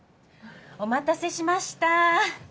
お待たせしました